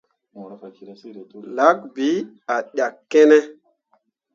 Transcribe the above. Lak bii ah ɗyakkene ?